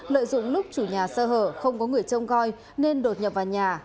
lợi dụng lúc chủ nhà sơ hở không có người trông coi nên đột nhập vào nhà lấy trộm tài sản